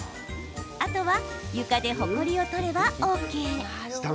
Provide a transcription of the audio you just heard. あとは床でほこりを取ればＯＫ。